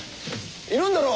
いるんだろ？